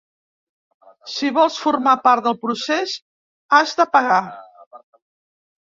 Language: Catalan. Si vols formar part del procés, has de pagar.